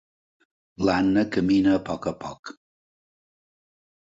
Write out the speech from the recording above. L'Anna camina a poc a poc.